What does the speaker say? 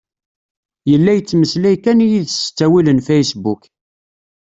Yella yettmeslay kan d yid-s s ttawil n fasebbuk.